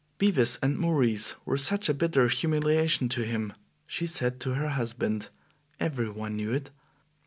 "Bevis and Maurice were such a bitter humiliation to him," she said to her husband. "Every one knew it.